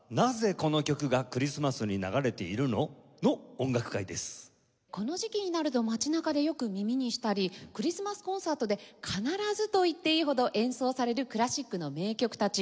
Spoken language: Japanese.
この時期になると街中でよく耳にしたりクリスマスコンサートで必ずといっていいほど演奏されるクラシックの名曲たち。